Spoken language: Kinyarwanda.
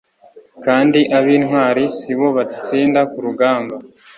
kandi ab'intwari si bo batsinda ku rugamba